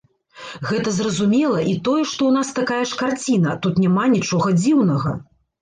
Гэта зразумела, і тое, што ў нас такая ж карціна, тут няма нічога дзіўнага.